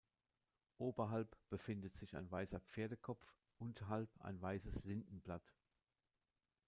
Oberhalb befindet sich ein weißer Pferdekopf, unterhalb ein weißes Lindenblatt.